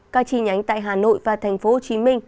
các chi nhánh tại hà nội và tp hcm